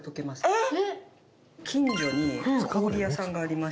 えっ！